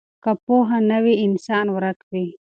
که پوهه نه وي انسان ورک وي.